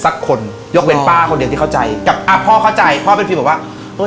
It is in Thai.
สักคนยกเว้นป้าคนเดียวที่เข้าใจกับอ่าพ่อเข้าใจพ่อเป็นพิมพ์บอกว่าเอ้ย